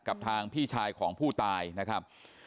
กับทางพี่ชายของผู้ตายนะครับ